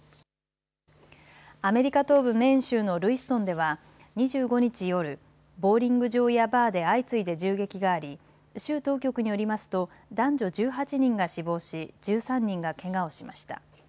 アメリカ東部メーン州のルイストンでは２５日夜、ボウリング場やバーで相次いで銃撃があり州当局によりますと男女１８人が死亡し１３人がけがをしました。